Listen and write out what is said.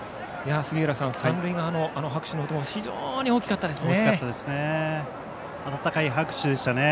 杉浦さん、三塁側の拍手の音も非常に大きかったですね。